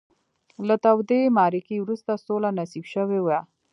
له تودې معرکې وروسته سوله نصیب شوې وي.